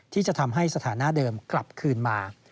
ที่จะทำให้สถานะเดิมกลับคืนมา